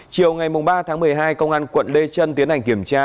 chiều ngày ba tháng một mươi hai công an quận lê trân tiến hành kiểm tra